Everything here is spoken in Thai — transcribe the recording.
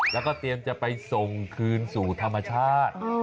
แล้วก็เตรียมจะไปส่งคืนสู่ธรรมชาติ